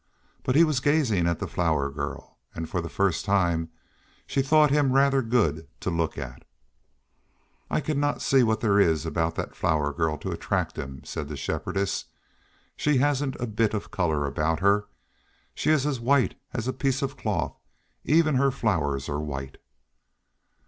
But he was gazing at the Flower Girl, and for the first time she thought him rather good to look at. "I cannot see what there is about that Flower Girl to attract him," said the Shepherdess; "she hasn't a bit of color about her; she is as white as a piece of cloth; even her flowers are white."